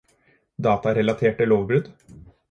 Datarelaterte lovbrudd